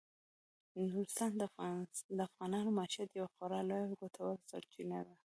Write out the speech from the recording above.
نورستان د افغانانو د معیشت یوه خورا لویه او ګټوره سرچینه ده.